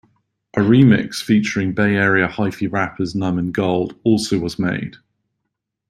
A remix featuring Bay Area hyphy rappers Nump and Gold also was made.